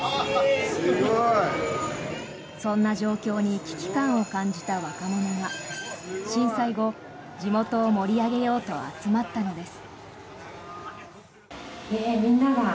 そんな状況に危機感を感じた若者が震災後、地元を盛り上げようと集まったのです。